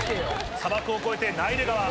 砂漠を越えてナイル川。